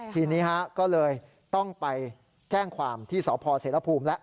ทีนี้ก็เลยต้องไปแจ้งความที่สพเสรภูมิแล้ว